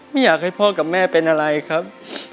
ไม่อยากให้พ่อกับแม่เป็นอะไรครับ